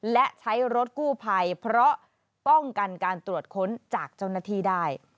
และใช้รถกู้ภัยเพราะป้องกันการตรวจค้นจากเจ้าหน้าที่ได้